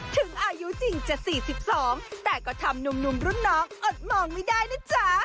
ถึงอายุจริงจะ๔๒แต่ก็ทำหนุ่มรุ่นน้องอดมองไม่ได้นะจ๊ะ